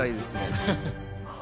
ハハハハ！